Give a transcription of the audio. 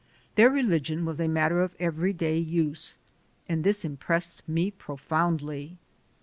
Their religion was a matter of everyday use and this impressed me profoundly.